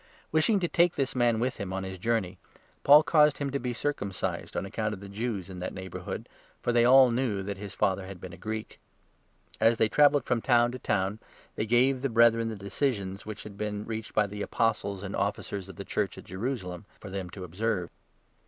Wishing to take this man with him on 3 his journey, Paul caused him to be circumcised on account of the Jews in that neighbourhood, for they all knew that his father had been a Greek. As they travelled from town 4 to town, they gave the Brethren the decisions which had been reached by tne Apostles and Officers of the Church at Jerusalem, for them to observe.